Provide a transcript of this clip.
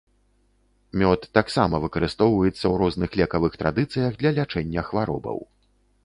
Мёд таксама выкарыстоўваецца ў розных лекавых традыцыях для лячэння хваробаў.